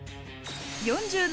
４７